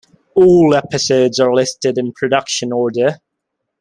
All episodes are listed in production order.